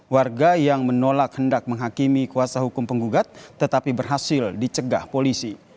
warga yang menolak hendak menghakimi kuasa hukum penggugat tetapi berhasil dicegah polisi